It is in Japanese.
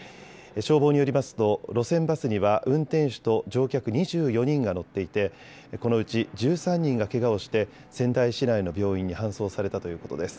消防によりますと路線バスには運転手と乗客２４人が乗っていてこのうち１３人がけがをして仙台市内の病院に搬送されたということです。